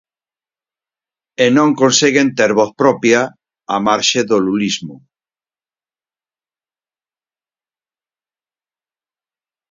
E non conseguen ter voz propia á marxe do lulismo.